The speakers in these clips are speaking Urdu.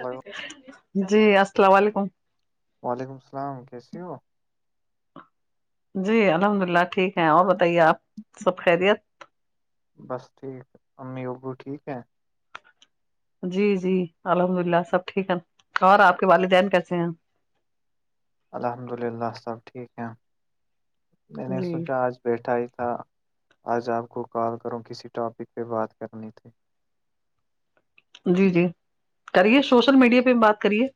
ہلو جی السلام علیکم وعلیکم السلام کیسی ہوآپ جی الحمد اللہ ٹھیک ہے اور بتائیے آپ سب خیریت بس ٹھیک امی ابو ٹھیک ہیں جی جی الحمد اللہ سب ٹھیک ہے اور آپ کے والدین کیسے ہیں الحمد اللہ سب ٹھیک ہے میں نے جی سوچا آج بیٹھا ہی تھا آج آپ کو کال کروں کسی ٹاپک پہ بات کرنی تھی جی جی کریے سوشل میڈیا پہ بات کریے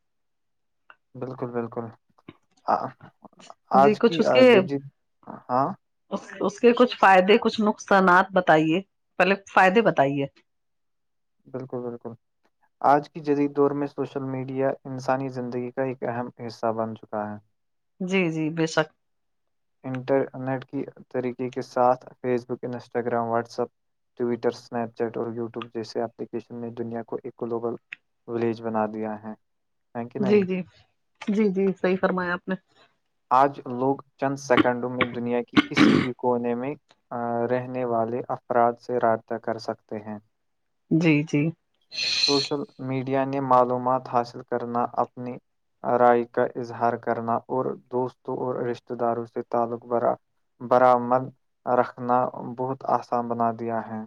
بالکل بالکل ا آج جی کی کچھ اس آ کے ج جی ہاں اس کے کچھ فائدے کچھ نقصانات بتائیے پہلے فائدے بتائیے بالکل بالکل آج کی جدید دور میں سوشل میڈیا انسانی زندگی کا ایک اہم حصہ بن چکا ہے جی جی بیشک انٹرنیٹ کی طریقے کے ساتھ Facebook Instagram WhatsApp Twitter Snapchat اور یوٹیوب جیسے ایپلیکشن میں دنیا کو ایک گلوبل ولیج بنا دیا ہے ہے کہ جی نہیں جی جی جی صحیح فرمایا آپ نے آج لوگ چند سیکنڈوں میں دنیا کی کسی بھی کونے میں رہنے والے افراد سے رابطہ کر سکتے ہیں جی جی سوشل میڈیا نے معلومات حاصل کرنا اپنی رائے کا اظہار کرنا اور دوستوں اور رشتے داروں سے تعلق بھرا برآمد رکھنا بہت آسان بنا دیا ہے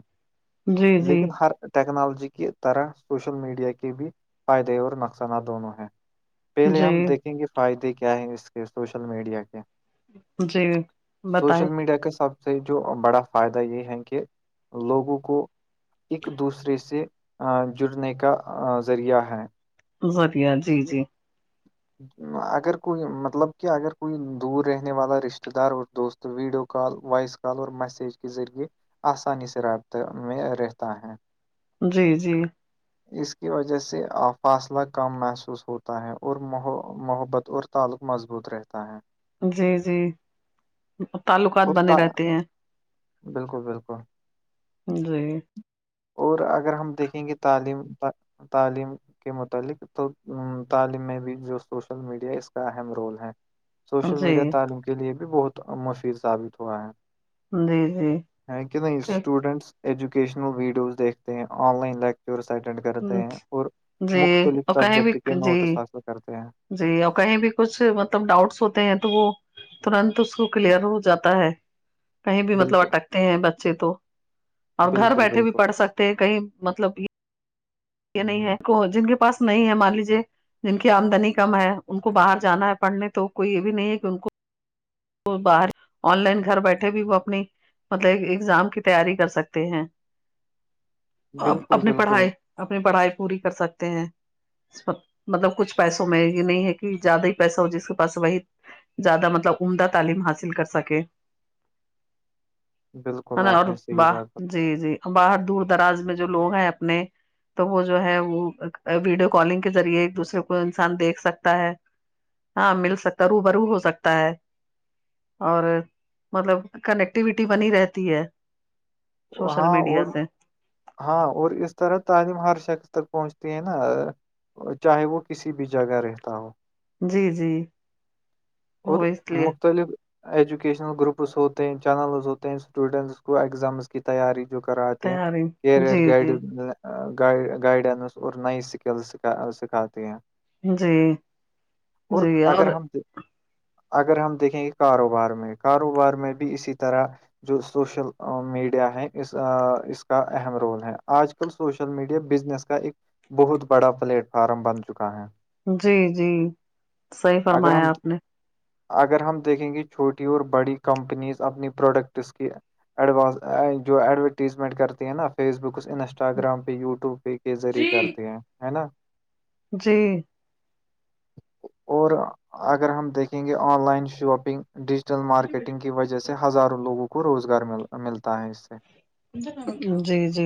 جی لیکن جی ہر ٹیکنالوجی کی طرح سوشل میڈیا کے بھی فائدے اور نقصانات دونوں ہیں پہلے جی ہم دیکھیں گے فائدے کیا ہیں اس کے سوشل میڈیا کے جی بتائیں سوشل میڈیا کا سب سے جو بڑا فائدہ یہ ہے کہ لوگوں کو ایک دوسرے سے جڑنے کا ذریعہ ہے زریعہ جی جی جی اگر کوئی مطلب کہ اگر کوئی دور رہنے والا رشتے دار اور دوست ویڈیو کال وائس کال اور میسج کے ذریعے آسانی سے رابطہ میں رہتا ہے جی جی اس کی وجہ سے فاصلہ کم محسوس ہوتا ہے اور محبت اور تعلق مضبوط رہتا ہے جی جی تعلقات اور بنے تا- رہتے ہیں بالکل بالکل جی اور اگر ہم دیکھیں گے تعلیم تعلیم کے متعلق تو تعلیم میں بھی جو سوشل میڈیا ہے اس کا اہم رول ہے سوشل میڈیا جی تعلیم کے لیے بھی بہت مفید ثابت ہوا ہے جی جی ہے کہ نہیں اسٹوڈینٹس ایجوکیشنل ویڈیوز دیکھتے ہیں آن لائن لگ کورس اٹینڈ کرتے ہیں اور جی مختلف اور کہیں بھی سبجیکٹ کے جی نوٹس حاصل کرتے ہیں جی اور کہیں بھی کچھ مطلب ڈاؤٹس ہوتے ہیں تو وہ ترنت اس کو کلیئر ہو جاتا ہے کہیں بھی مطلب بالکل اٹکتے ہیں بچے تو اور گھر بالکل بیٹھے بھی بالکل پڑھ سکتے ہیں کہیں مطلب یہ نہیں ہے کو جن کے پاس نہیں ہے مان لیجے جن کی آمدنی کم ہے ان کو باہر جانا ہے پڑھنے تو کوئی یہ بھی نہیں ہے کہ ان کو وہ باہر آن لائن گھر بیٹھے بھی وہ اپنی مطلب ایگزام کی تیاری کر سکتے ہیں اب بالکل اپنی بالکل پڑھائی اپنی پڑھائی پوری کر سکتے ہیں مطلب کچھ پیسوں میں یہ نہیں ہے کہ زیادہ ہی پیسہ ہو جس کے پاس وہی زیادہ مطلب عمدہ تعلیم حاصل کر سکے بالکل [unintelligible] آپ اور نے صحیح بات باہر بتائی جی جی باہر دور دراز میں جو لوگ ہیں اپنے تو وہ جو ہے وہ ویڈیو کالنگ کے ذریعے ایک دوسرے کو انسان دیکھ سکتا ہے ہاں مل سکتا ہے رو برو ہو سکتا ہے اور مطلب کنیکٹیوٹی بنی رہتی ہے سوشل ہاں میڈیا اور سے ہاں اور اس طرح تعلیم ہر شخص تک پہنچتی ہے نا چاہے وہ کسی بھی جگہ رہتا ہو جی جی اور وہ اس لیے مختلف ایجوکیشنل گروپس ہوتے ہیں چینلز ہوتے ہیں اسٹوڈنٹس کو اگزامز کی تیاری جو کراتے ہیں تیاری کیریئر جی گائڈ جی گائیڈنس اور نئی اسکلس سکھاتی ہیں جی اور اگر ہم اگر ہم دیکھیں گے کاروبار میں کاروبار میں بھی اسی طرح جو سوشل میڈ یا ہے اس کا اہم رول ہے آج کل سوشل میڈیا بزنس کا ایک بہت بڑا پلیٹ فارم بن چکا ہے جی جی صحیح اگر فرمایا ہم آپ نے اگر ہم دیکھیں گے چھوٹی اور بڑی کمپنیز اپنی پروڈکٹس کی ایڈوانس جو ایڈورٹیزمنٹ کرتے ہیں نا فیس بک اس انسٹاگرام پہ یوٹیوب کے ذریع کرتے ہیں ہے نا جی اور اگر ہم دیکھیں گے online shopping digital marketing کی وجہ سے ہزاروں لوگوں کو روزگار مل ملتا ہے اس سے جی جی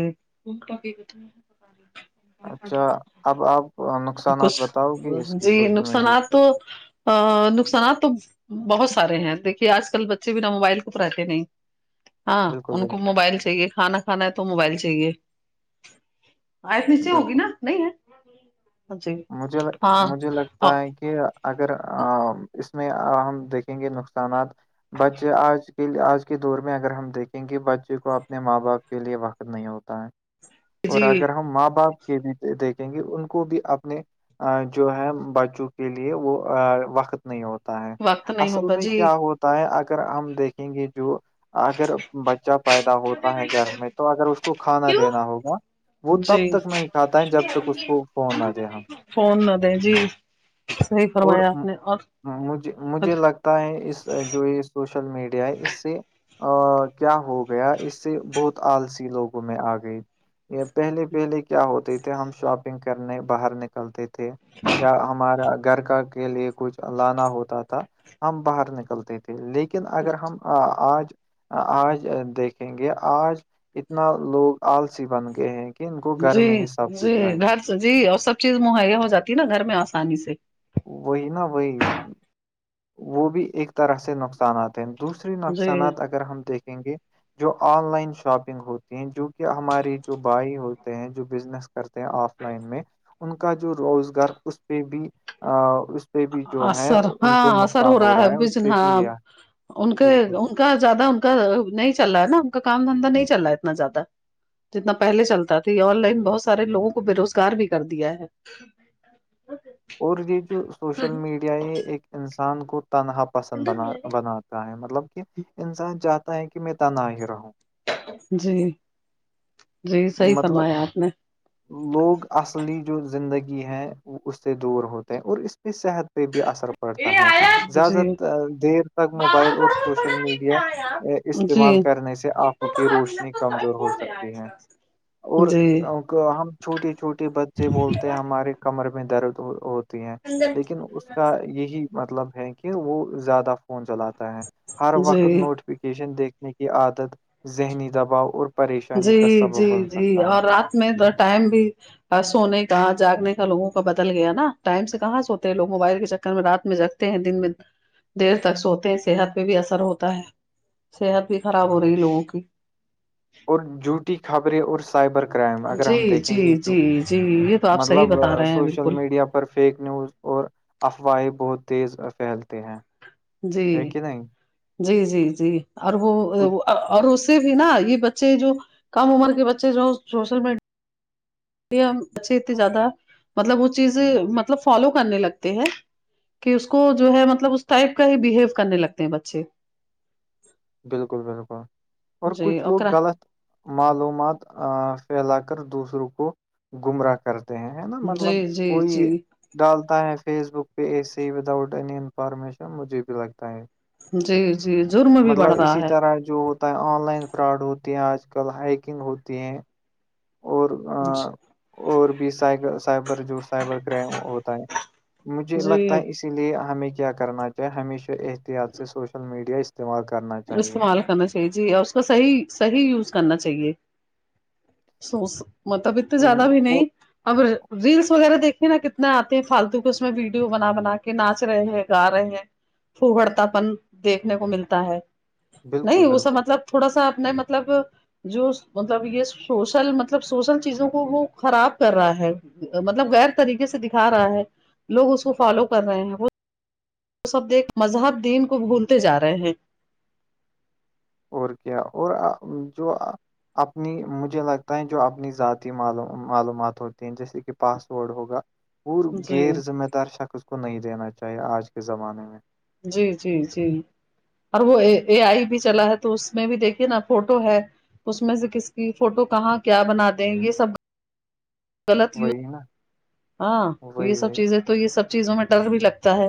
اچھا اب آپ نقصانات کچھ بتاؤ گی اس کی جی سوشل میڈیا نقصانات تو آ نقصانات تو بہت سارے ہیں دیکھیے آج کل بچے بنا موبائل کوپ رہتے نہیں ہاں بالکل ان کو بالکل موبائل چاہیے کھانا کھانا ہے تو موبائل چاہیے آیت نیچے ہوگی بالکل نا نہیں ہے جی مجھے لگ- ہاں مجھے لگتا ہے کہ اگر اس میں ہم دیکھیں گے نقصانات بچے آج آج کے دور میں اگر ہم دیکھیں گے بچے کو اپنے ماں باپ کے لیے وقت نہیں ہوتا ہے اور جی اگر ہم ماں باپ کے بھی دیکھیں گے ان کو بھی اب اپنے جو ہے بچوں کے لیے وہ وقت نہیں ہوتا ہے وقت نہیں اصل ہوتا میں جی کیا ہوتا ہے اگر ہم دیکھیں گے جو اگر بچہ پیدا ہوتا ہے گھر میں تو اگر اس کو کھانا دینا ہوگا وہ جی تب تک نہیں کھاتا ہے جب تک اس کو فون نہ دے ہم فون نہ دیں جی صحیح فرمایا آپ نے اور اورمج مجھے لگتا ہے اس جو یہ سوشل میڈیا ہے اس سے ا کیا ہو گیا اس سے بہت آلسی لوگوں میں آ گئی یہ پہلے پہلے کیا ہوتے تھے ہم شاپنگ کرنے باہر نکلتے تھے یا ہمارا گھر کا کے لیے کچھ لانا ہوتا تھا ہم باہر نکلتے تھے لیکن اگر ہم آج آج دیکھیں گے آج اتنا لوگ آلسی بن گئے ہیں کہ ان کو گھر جی میں ہی سب کچھ جی چاہیے گھر جی اور سب چیز مہیا ہو جات ہے نا گھر میں آسانی سے وہی نا وہی وہ بھی ایک طرح سے نقصانات ہیں دوسری جی نقصانات اگر ہم دیکھیں گے جو آن لائن شاپنگ ہوتی ہیں جو کہ ہمارے جو بھائی ہوتے ہیں جو بزنس کرتے ہیں آف لائن میں ان کا جو روزگار اس پہ بھی اس پہ بھی جو ہے اثر ان ہاں کو اثر ہو نقصان رہا ہے اس پہ بھی یہ ہے، بجھانے کے بالکل ان ا کا زیادہ ان کا نہیں چل رہا ہے نا ان کام دھندہ نہیں چل رہا ہے اتنا زیادہ جتنا پہلے چلتا تھا یہ آن لائن بہت سارے لوگوں کو بے روزگار بھی کر دیا ہے اور یہ جو سوشل میڈیا یہ ایک انسان کو تنہا پسند بنا بناتا مطلب کہ انسان چاہتا ہے کہ میں تنا ہی رہوں جی جی صحیح مطلب فرمایا آپ نے لوگ اصلی جو زندگی ہے وہ اس سے دور ہوتے ہیں اور اس پہ صحت پہ بھی اثر پڑتا ہے زیادہ جی دیر تک موبائل اور سوشل میڈیا استعمال جی کرنے سے آنکھوں کی روشنی کمزور ہو سکتی ہے اور جی ہم چھوٹے چھوٹے بچے بولتے ہیں ہمارے کمر میں درد ہو ہیں لیکن اس کا یہی مطلب ہے کہ وہ زیادہ فون چلاتا ہے ہر وقت جی نوٹیفیکیشن دیکھنے کی عادت ذہنی دباؤ اور پریشانی کا جی جی سبب بن جی سکتا ہے اور رات میں تو ٹائم بھی اور سونے کہ جاگنے کا لوگوں کا بدل گیا نا ٹائم سے کہاں سوتے ہیں لوگ موبائل کے چکر میں رات میں جگ تے ہیں دن میں دیر تک سوتے ہیں صحت پہ بھی اثر ہوتا ہے صحت بھی خراب ہو رہی ہے لوگوں کی اور جھوٹی خبریں اور سائبر کرائم اگر جی ہم جی دیکھیں گے تو جی جی یہ تو آپ صحیح مطلب بتا رہے ہیں سوشل بالکل میڈیا پر فیک نیوز اور افواہیں بہت تیز پھیلتے ہیں جی ہے کہ نہیں جی جی جی اور وہ کچھ ا اور اس سے بھی نا یہ بچے جو کم عمر کے بچے جو سوشل میڈ یہ ہم بچے اتنے زیادہ مطلب وہ چیزیں مطلب فالو کرنے لگتے ہیں کہ اس کو جو ہے مطلب اس ٹائپ کا ہی بہیو کرنے لگتے ہیں بچے بالکل بالکل اور جی کچھ لوگ اوکرا غلط معلومات ا پھیلا کر دوسروں کو گمراہ کر ہیں نا مطلب جی جی کوئی جی ڈالتا ہے فیس بک پہ ای سے ہی وداؤٹ اینی انفارمیشن مجھے بھی لگتا ہے جی جی جرم بھی بڑھ رہا ہے اور جو آن لائن فراڈ ہوتے ہیں آج کل ہائیکنگ ہوتی ہیں اور ا اور بھی سائ سائبر جو سائبر کرائم ہوتا ہے مجھے جی لگتا ہے اسی لیے ہمیں کیا کرنا چاہے ہمیشہ احتیاط سے سوشل میڈیا اس استعمال کرنا چاہیے استعمال کرنا جی اور اس کا صحیح صحیح یوز کرنا چاہیے سو مطلب تو م، زیادہ بھی او نہیں اب ریلس وغیرہ دیکھیے نا کتنے آتے ہیں فالتو کے اس میں ویڈیو بنا بنا کے ناچ رہے ہیں گا رہے ہیں پوڑتا پن دیکھنے کو ملتا ہے نہیں بالکل اس سے بالکل مطلب تھوڑا سا اپنا مطلب جو مطلب یہ سوشل مطلب سوشل چیزوں کو وہ خراب کر رہا ہے مطلب غیر طریقے سے دکھا رہا ہے لوگ اس کو فالو کر رہے ہیں وہ تو سب دیکھ مذہب دین کو بھولتے جا رہے ہیں اور کیا اور ا جو ا اپنی مجھے لگتا ہے جو اپنی ذاتی ما معلومات ہوتی ہیں جیسے کہ پاس ورڈ ہوگا اور جی غیر ذمہ دار شکس اس کو نہیں دینا چاہیے آج کے زمانے میں جی جی جی اور وہ اے اے آئی بھی چلا ہے تو اس میں بھی دیکھیے نا فوٹو ہے اس میں سے کس کی فوٹو کہاں کیا بنا دیں گے سب غلط یوز وہی نا ہاں یہ وہی سب وہی چیزیں تو یہ سب چیزوں میں ڈر بھی لگتا ہے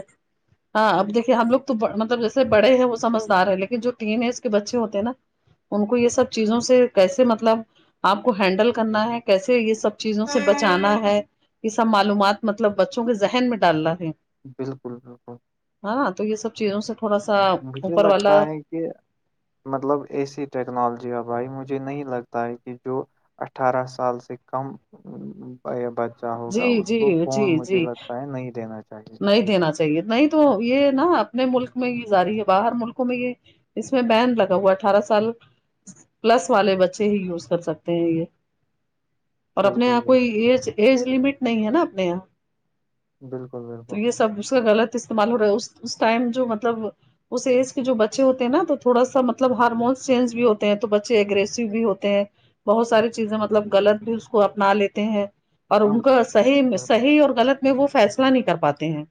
ہاں اب دیکھیے ہم لوگ تو مطلب جیسے بڑے ہیں وہ سمجھدار رہے لیکن جو تین اس کے بچے ہوتے ہیں نا ان کو یہ سب چیزوں سے کیسے مطلب آپ کو ہینڈل کرنا ہے کیسے یہ سب چیزوں سے بچانا ہے یہ سب معلومات مطلب بچوں کے ذہن میں ڈالنا ہے بالکل بالکل ہاں تو یہ سب چیزوں سے تھوڑا سا مجھے اوپر والا لگتا ہے کہ مطلب ایسی ٹیکنالوجی ہے بھائی مجھے نہیں لگتا ہے کہ جو اٹھارہ سال سے کم اچھا ہوگا جی اس جی کو جی فون مجھے جی لگتا ہے نہیں دینا چاہیے نہیں دینا چاہیے نہیں تو یہ نا اپنے ملک میں یہ جاری ہے باہر ملکوں میں یہ اس میں بین لگا ہوا اٹھارہ سال پلس والے بچے ہی یوز کر سکتے ہیں یہ اور اپنے بالکل یہاں کوئی ایج ایج لمٹ نہیں ہے نا اپنے یہاں بالکل بالکل تو یہ سب سے غلط استعمال ہو رہا ہے اس ٹائم جو مطلب اس ایج کے جو بچے ہوتے ہیں نا تو تھوڑا سا مطلب ہارمونس چینج بھی ہوتے ہیں تو بچے اگریسیو بھی ہوتے ہیں بہت ساری چیزیں مطلب غلط بھی اس کو اپنا لیتے ہیں اور ان اچھا کا صحیح صحیح اور غلط میں وہ فیصلہ نہیں کر پاتے ہیں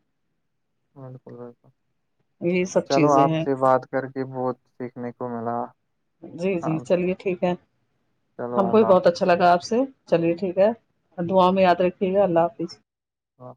بالکل بالکل یہ سب چلو چیزیں آپ ہیں سے بات کر کے بہت سیکھنے کو ملا جی جی آپ سے- چلیے ٹھیک ہے چلو ہم کو بھی اللہ بہت اچھا لگا آپ سے چلیے ٹھیک ہے دعا میں یاد رکھیے گا اللہ حافظ ہ